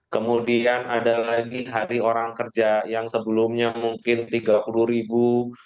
kemudian ada lagi hari orang kerja yang sebelumnya mungkin tiga puluh ribu